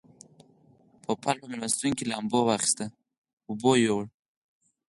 پوپل په مېلمستون کې لامبو واخیسته.